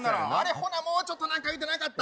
ほなもうちょっとなんか言うてなかった？